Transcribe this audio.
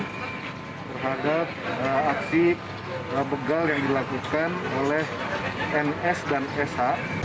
terhadap aksi begal yang dilakukan oleh ns dan sh